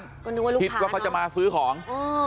ก็นึกว่าลูกค้าน้องฮิตว่าเขาจะมาซื้อของ